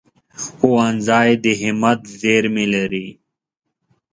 ښوونځی د همت زېرمې لري